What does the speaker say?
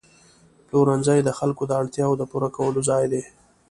پلورنځی د خلکو د اړتیاوو پوره کولو ځای دی.